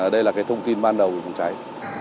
đây là cái thông tin ban đầu của công cháy